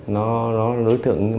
nó là đối tượng